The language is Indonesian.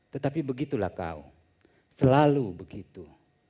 tetapi begitulah kau selalu begitu